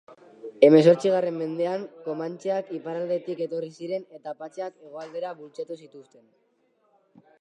Hemezortzigarren mendean Komantxeak iparraldetik etorri ziren eta Apatxeak hegoaldera bultzatu zituzten.